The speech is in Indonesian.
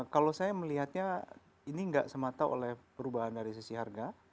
kalau saya melihatnya ini nggak semata oleh perubahan dari sisi harga